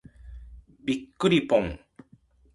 びっくりぽん。